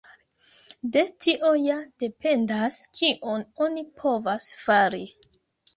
De tio ja dependas kion oni povas fari.